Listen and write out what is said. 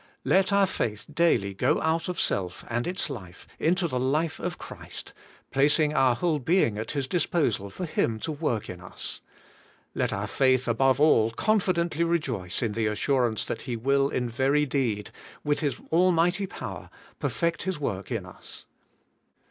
Let our faith daily go out of self and its life into the life of Christ, placing our whole being at His disposal for Him to work in us. Let our faith, above all, confidently rejoice in the assurance that He will in very deed, with His almighty power, perfect His work in us.